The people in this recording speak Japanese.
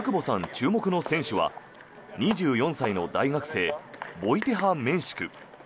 注目の選手は２４歳の大学生ボイテハ・メンシク。